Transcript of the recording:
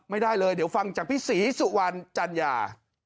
ไม่ได้เลยเดี๋ยวฟังจากพี่ศรีสุวรรณจัญญา